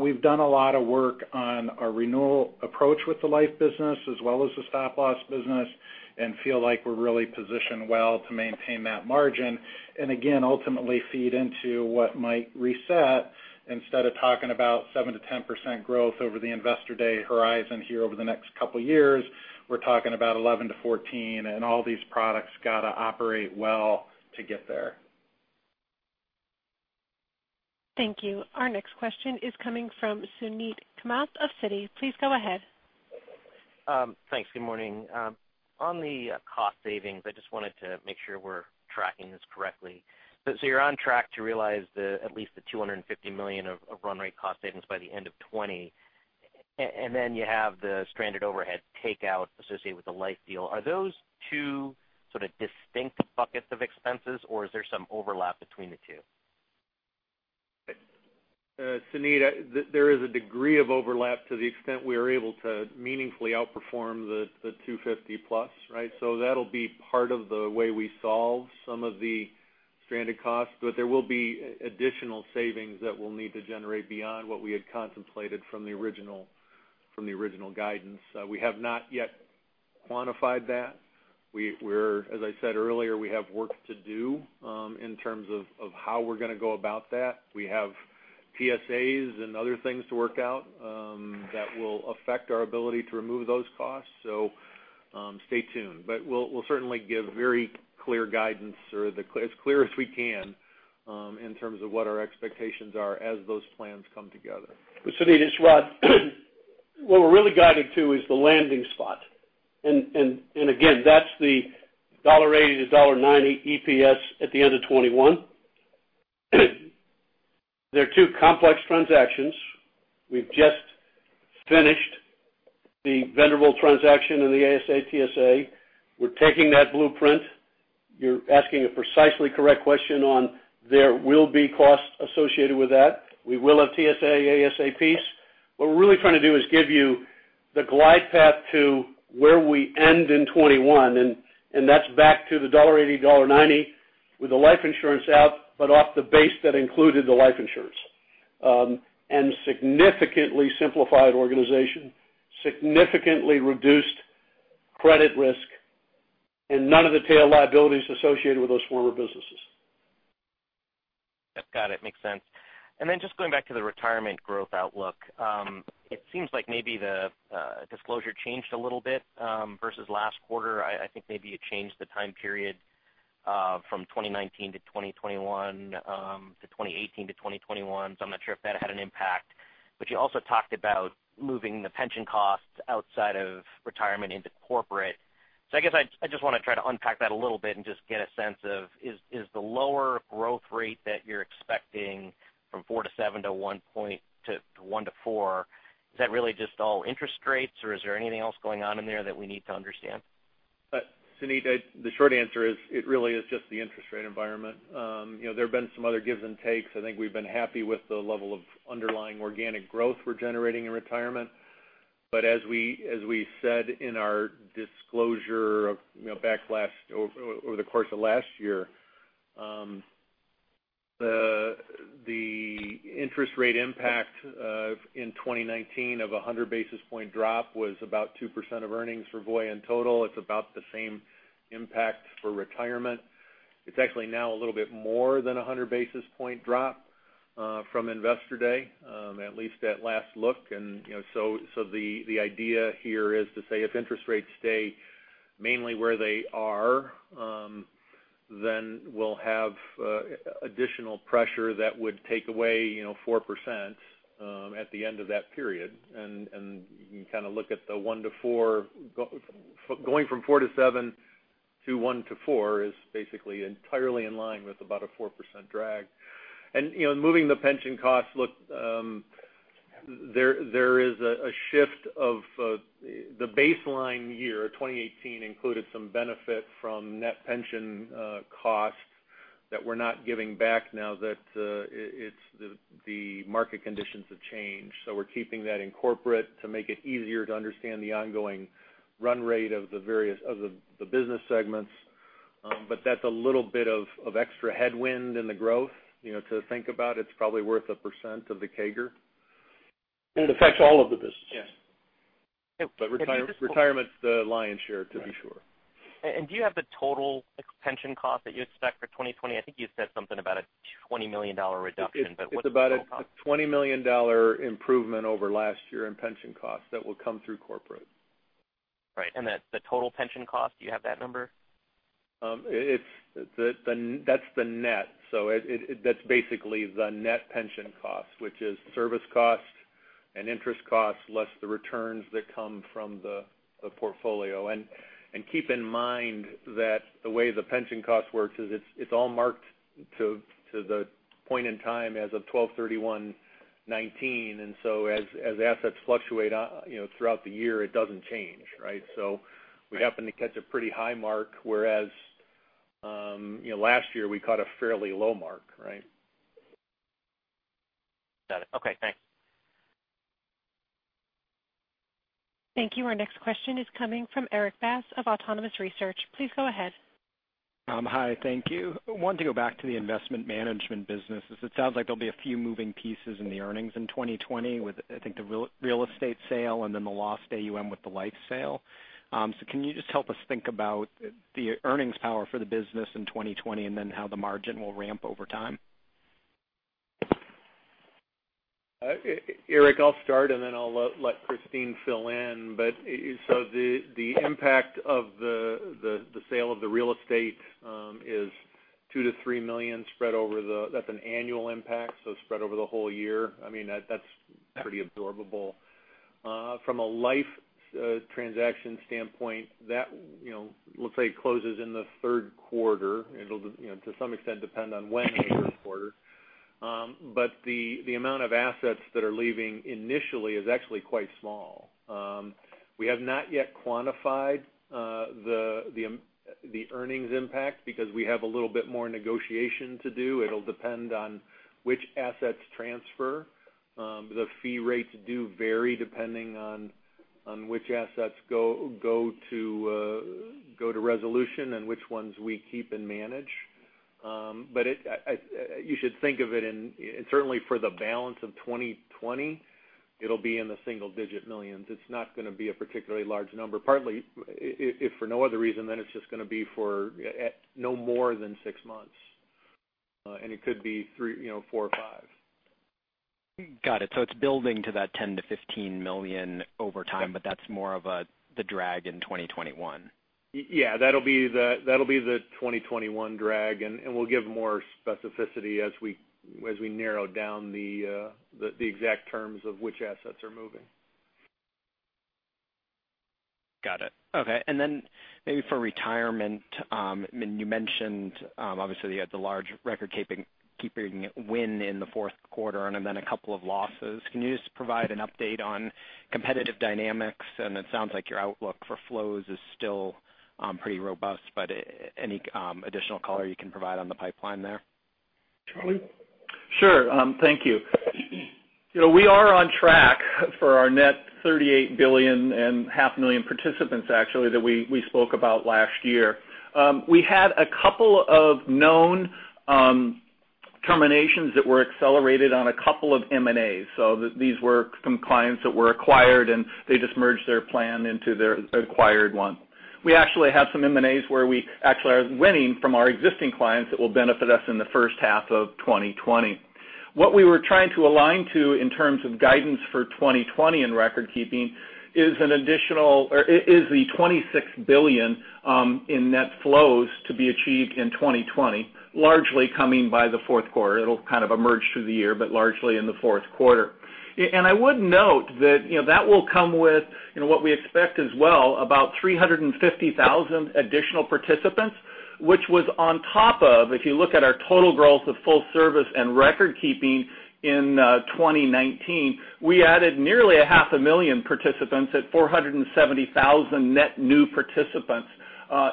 We've done a lot of work on our renewal approach with the life business as well as the Stop Loss business and feel like we're really positioned well to maintain that margin. Again, ultimately feed into what might reset instead of talking about 7%-10% growth over the Investor Day horizon here over the next couple of years, we're talking about 11%-14%, and all these products got to operate well to get there. Thank you. Our next question is coming from Suneet Kamath of Citi. Please go ahead. Thanks. Good morning. On the cost savings, I just wanted to make sure we're tracking this correctly. You're on track to realize at least the $250 million of run rate cost savings by the end of 2020. Then you have the stranded overhead takeout associated with the life deal. Are those two distinct buckets of expenses, or is there some overlap between the two? Suneet, there is a degree of overlap to the extent we are able to meaningfully outperform the $250-plus. That'll be part of the way we solve some of the stranded costs, but there will be additional savings that we'll need to generate beyond what we had contemplated from the original guidance. We have not yet quantified that. As I said earlier, we have work to do in terms of how we're going to go about that. We have PSAs and other things to work out that will affect our ability to remove those costs. Stay tuned. We'll certainly give very clear guidance or as clear as we can in terms of what our expectations are as those plans come together. Suneet, it's Rod. What we're really guiding to is the landing spot. Again, that's the $1.80-$1.90 EPS at the end of 2021. There are two complex transactions. We've just finished the Venerable transaction and the ASA TSA. We're taking that blueprint. You're asking a precisely correct question on there will be costs associated with that. We will have TSA, ASA piece. What we're really trying to do is give you the glide path to where we end in 2021, and that's back to the $1.80, $1.90 with the life insurance out, but off the base that included the life insurance. Significantly simplified organization, significantly reduced credit risk, and none of the tail liabilities associated with those former businesses. Got it. Makes sense. Just going back to the Retirement growth outlook. It seems like maybe the disclosure changed a little bit versus last quarter. I think maybe you changed the time period from 2019 to 2021 to 2018 to 2021, so I'm not sure if that had an impact. You also talked about moving the pension costs outside of Retirement into Corporate. I guess I just want to try to unpack that a little bit and just get a sense of, is the lower growth rate that you're expecting from 4%-7% to 1%-4%, is that really just all interest rates, or is there anything else going on in there that we need to understand? Suneet, the short answer is it really is just the interest rate environment. There have been some other gives and takes. I think we've been happy with the level of underlying organic growth we're generating in Retirement. As we said in our disclosure over the course of last year, the interest rate impact in 2019 of 100 basis points drop was about 2% of earnings for Voya in total. It's about the same impact for Retirement. It's actually now a little bit more than 100 basis points drop from Investor Day, at least at last look. The idea here is to say if interest rates stay mainly where they are We'll have additional pressure that would take away 4% at the end of that period. You can look at the 1%-4%. Going from 4%-7% to 1%-4% is basically entirely in line with about a 4% drag. Moving the pension costs, look, there is a shift of the baseline year. 2018 included some benefit from net pension costs that we're not giving back now that the market conditions have changed. We're keeping that in Corporate to make it easier to understand the ongoing run rate of the business segments. That's a little bit of extra headwind in the growth, to think about. It's probably worth a 1% of the CAGR. It affects all of the businesses. Yes. Retirement is the lion's share, to be sure. Do you have the total pension cost that you expect for 2020? I think you said something about a $20 million reduction. It's about a $20 million improvement over last year in pension costs that will come through Corporate. Right. The total pension cost, do you have that number? That's the net. That's basically the net pension cost, which is service cost and interest cost, less the returns that come from the portfolio. Keep in mind that the way the pension cost works is it's all marked to the point in time as of 12/31/2019. As assets fluctuate throughout the year, it doesn't change, right? We happen to catch a pretty high mark, whereas last year we caught a fairly low mark, right? Got it. Okay, thanks. Thank you. Our next question is coming from Erik Bass of Autonomous Research. Please go ahead. Hi, thank you. I wanted to go back to the Investment Management business. It sounds like there'll be a few moving pieces in the earnings in 2020 with, I think, the real estate sale and then the lost AUM with the life sale. Can you just help us think about the earnings power for the business in 2020, and then how the margin will ramp over time? Erik, I'll start, then I'll let Christine fill in. The impact of the sale of the real estate is $2 million-$3 million spread over the-- that's an annual impact, so spread over the whole year. That's pretty absorbable. From a life transaction standpoint, that, let's say, closes in the third quarter. It'll, to some extent, depend on when in the third quarter. The amount of assets that are leaving initially is actually quite small. We have not yet quantified the earnings impact because we have a little bit more negotiation to do. It'll depend on which assets transfer. The fee rates do vary depending on which assets go to Resolution and which ones we keep and manage. You should think of it in, certainly for the balance of 2020, it'll be in the single-digit millions. It's not going to be a particularly large number, partly, if for no other reason than it's just going to be for no more than six months. It could be four or five. Got it. It's building to that $10 million-$15 million over time, that's more of the drag in 2021. Yeah, that'll be the 2021 drag, we'll give more specificity as we narrow down the exact terms of which assets are moving. Got it. Okay. Maybe for Retirement, you mentioned obviously you had the large record-keeping win in the fourth quarter and then a couple of losses. Can you just provide an update on competitive dynamics? It sounds like your outlook for flows is still pretty robust, but any additional color you can provide on the pipeline there? Charlie? Sure. Thank you. We are on track for our net $38 billion and half million participants, actually, that we spoke about last year. We had a couple of known terminations that were accelerated on a couple of M&A. These were some clients that were acquired, and they just merged their plan into their acquired one. We actually have some M&A where we actually are winning from our existing clients that will benefit us in the first half of 2020. What we were trying to align to in terms of guidance for 2020 in record keeping is the $26 billion in net flows to be achieved in 2020, largely coming by the fourth quarter. It'll emerge through the year, but largely in the fourth quarter. I would note that will come with what we expect as well, about 350,000 additional participants, which was on top of, if you look at our total growth of full service and record keeping in 2019, we added nearly a half a million participants at 470,000 net new participants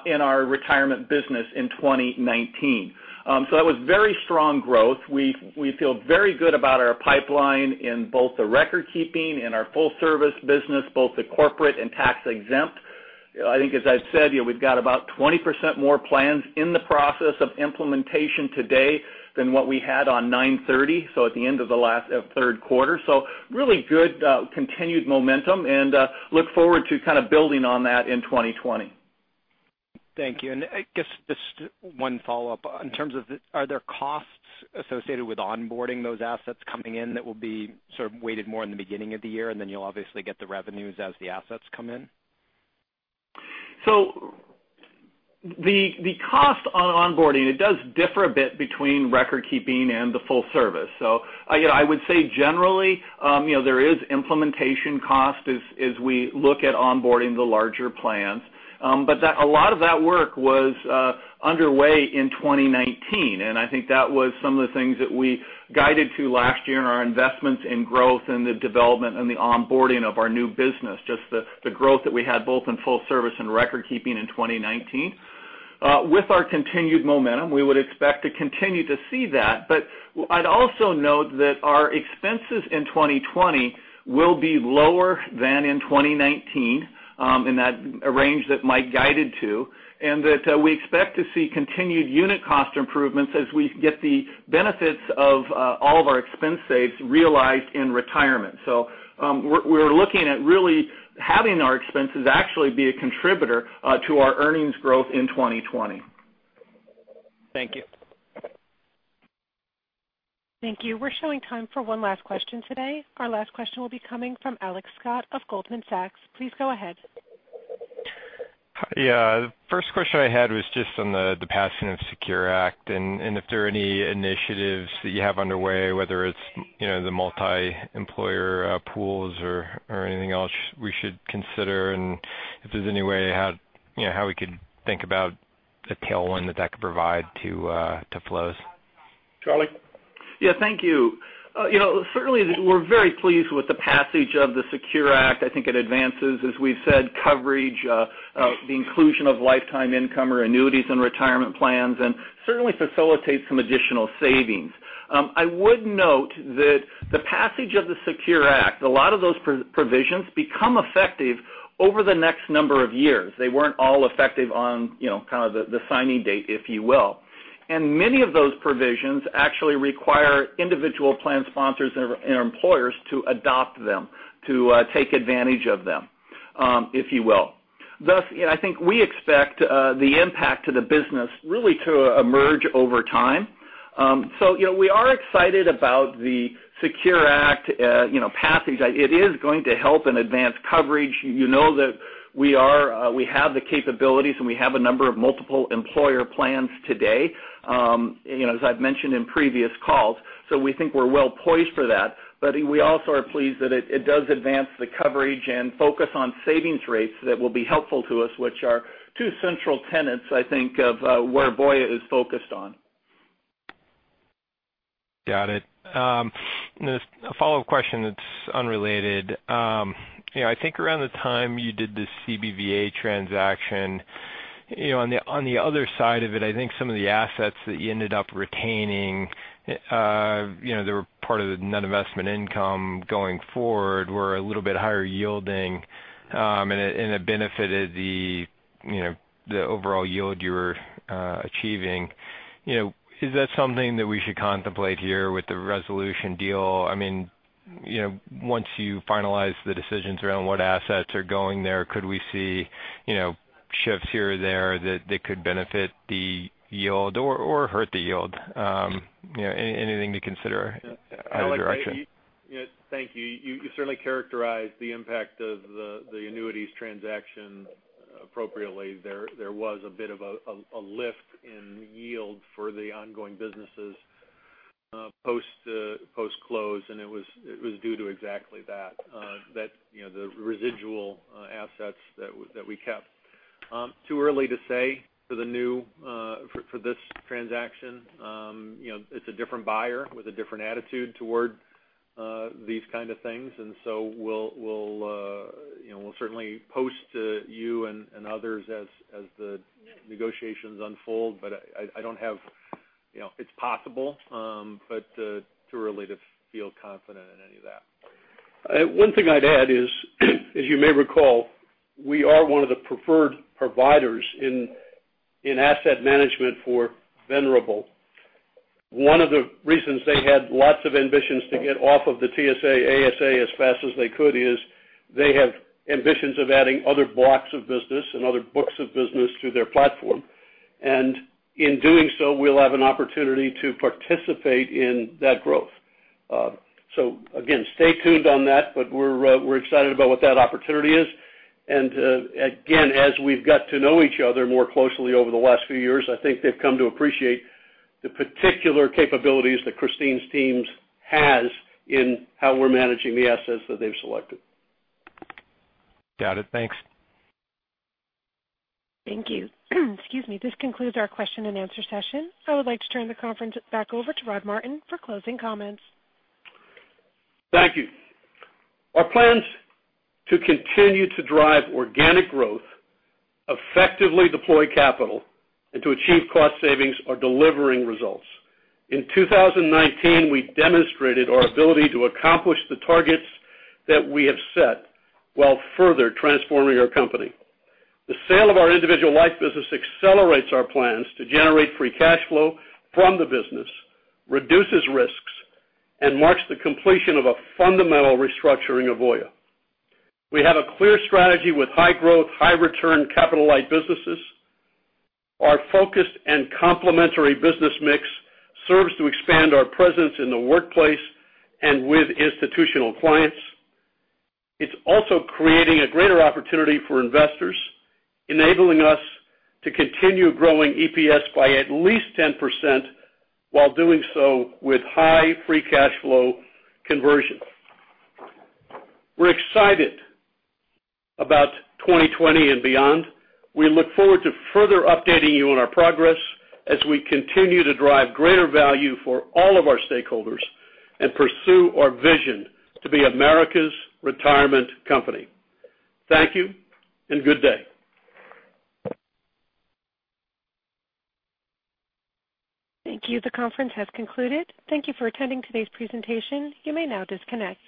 in our Retirement business in 2019. That was very strong growth. We feel very good about our pipeline in both the record keeping and our full service business, both the corporate and tax exempt. I think, as I've said, we've got about 20% more plans in the process of implementation today than what we had on 9/30, so at the end of the third quarter. Really good continued momentum, and look forward to building on that in 2020. Thank you. I guess just one follow-up. In terms of, are there costs associated with onboarding those assets coming in that will be sort of weighted more in the beginning of the year, and then you'll obviously get the revenues as the assets come in? The cost on onboarding, it does differ a bit between recordkeeping and the full-service. I would say generally, there is implementation cost as we look at onboarding the larger plans. A lot of that work was underway in 2019, and I think that was some of the things that we guided to last year in our investments in growth and the development and the onboarding of our new business, just the growth that we had both in full-service and recordkeeping in 2019. With our continued momentum, we would expect to continue to see that. I'd also note that our expenses in 2020 will be lower than in 2019, in that range that Mike guided to, and that we expect to see continued unit cost improvements as we get the benefits of all of our expense saves realized in Retirement. We're looking at really having our expenses actually be a contributor to our earnings growth in 2020. Thank you. Thank you. We're showing time for one last question today. Our last question will be coming from Alex Scott of Goldman Sachs. Please go ahead. Yeah. First question I had was just on the passing of the SECURE Act, and if there are any initiatives that you have underway, whether it's the multiple employer pools or anything else we should consider, and if there's any way how we could think about the tailwind that could provide to flows. Charlie? Yeah, thank you. Certainly, we're very pleased with the passage of the SECURE Act. I think it advances, as we've said, coverage, the inclusion of lifetime income or annuities and retirement plans, and certainly facilitates some additional savings. I would note that the passage of the SECURE Act, a lot of those provisions become effective over the next number of years. They weren't all effective on the signing date, if you will. Many of those provisions actually require individual plan sponsors and employers to adopt them, to take advantage of them, if you will. Thus, I think we expect the impact to the business really to emerge over time. We are excited about the SECURE Act passage. It is going to help and advance coverage. You know that we have the capabilities, and we have a number of multiple employer plans today, as I've mentioned in previous calls. We think we're well-poised for that. We also are pleased that it does advance the coverage and focus on savings rates that will be helpful to us, which are two central tenets, I think, of where Voya is focused on. Got it. A follow-up question that's unrelated. I think around the time you did the CBVA transaction, on the other side of it, I think some of the assets that you ended up retaining, they were part of the net investment income going forward, were a little bit higher yielding, and it benefited the overall yield you were achieving. Is that something that we should contemplate here with the Resolution deal? Once you finalize the decisions around what assets are going there, could we see shifts here or there that could benefit the yield or hurt the yield? Anything to consider, either direction? Alex, thank you. You certainly characterized the impact of the annuities transaction appropriately. There was a bit of a lift in yield for the ongoing businesses post-close, and it was due to exactly that. The residual assets that we kept. Too early to say for this transaction. It's a different buyer with a different attitude toward these kind of things, we'll certainly post to you and others as the negotiations unfold. It's possible, but too early to feel confident in any of that. One thing I'd add is, as you may recall, we are one of the preferred providers in asset management for Venerable. One of the reasons they had lots of ambitions to get off of the TSA/ASA as fast as they could is they have ambitions of adding other blocks of business and other books of business to their platform. In doing so, we'll have an opportunity to participate in that growth. Again, stay tuned on that, but we're excited about what that opportunity is. Again, as we've got to know each other more closely over the last few years, I think they've come to appreciate the particular capabilities that Christine's team has in how we're managing the assets that they've selected. Got it. Thanks. Thank you. Excuse me. This concludes our question and answer session. I would like to turn the conference back over to Rod Martin for closing comments. Thank you. Our plans to continue to drive organic growth, effectively deploy capital, and to achieve cost savings are delivering results. In 2019, we demonstrated our ability to accomplish the targets that we have set while further transforming our company. The sale of our individual life business accelerates our plans to generate free cash flow from the business, reduces risks, and marks the completion of a fundamental restructuring of Voya. We have a clear strategy with high growth, high return capital-light businesses. Our focused and complementary business mix serves to expand our presence in the workplace and with institutional clients. It's also creating a greater opportunity for investors, enabling us to continue growing EPS by at least 10% while doing so with high free cash flow conversion. We're excited about 2020 and beyond. We look forward to further updating you on our progress as we continue to drive greater value for all of our stakeholders and pursue our vision to be America's Retirement Company. Thank you, and good day. Thank you. The conference has concluded. Thank you for attending today's presentation. You may now disconnect.